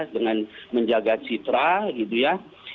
dengan menjaga citra gitu ya